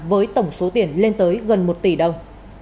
với tổng số tiền lên tới gần một tỷ đồng